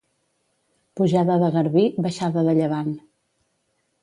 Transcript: Pujada de garbí, baixada de llevant.